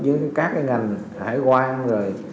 với các ngành hải quan